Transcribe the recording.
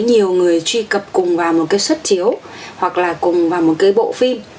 nhiều người truy cập cùng vào một cái xuất chiếu hoặc là cùng vào một cái bộ phim